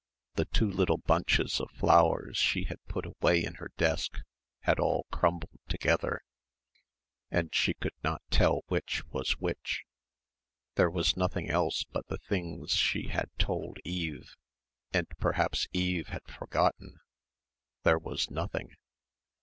The two little bunches of flowers she had put away in her desk had all crumbled together, and she could not tell which was which.... There was nothing else but the things she had told Eve and perhaps Eve had forgotten ... there was nothing.